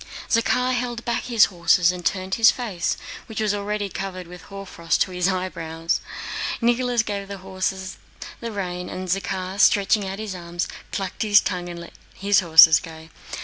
Zakhár held back his horses and turned his face, which was already covered with hoarfrost to his eyebrows. Nicholas gave the horses the rein, and Zakhár, stretching out his arms, clucked his tongue and let his horses go.